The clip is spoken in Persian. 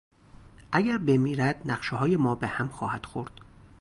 اگر بمیرد نقشههای ما به هم خواهد خورد.